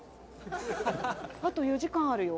あと４時間あるよ。